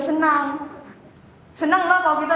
senang senang loh kalau kita